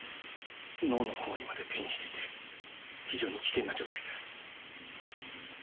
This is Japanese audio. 脳の方にまで転移していて非常に危険な状態です。